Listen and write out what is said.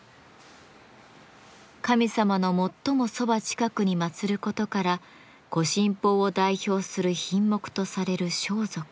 神様の最もそば近くにまつることから御神宝を代表する品目とされる装束。